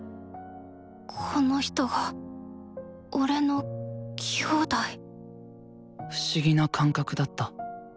この人が俺のきょうだい不思議な感覚だった。